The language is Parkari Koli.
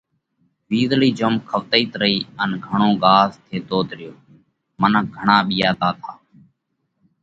وِيزۯئِي جوم کوَتئِيت رئِي، ان گھڻو ڳاز ٿيتوت ريو۔ منک گھڻا ٻِيئاتا تا۔